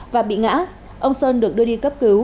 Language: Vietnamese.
và bị ngã ông sơn được đưa đi cấp cứu